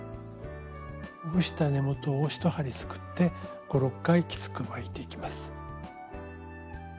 ほぐした根元を１針すくって５６回きつく巻いていきます。